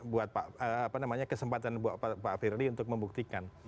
buat apa namanya kesempatan buat pak firdy untuk membuktikan